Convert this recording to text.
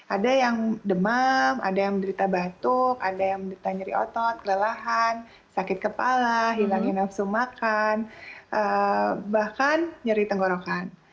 ada yang demam ada yang menderita batuk ada yang menderita nyeri otot kelelahan sakit kepala hilangnya nafsu makan bahkan nyeri tenggorokan